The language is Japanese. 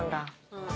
うん。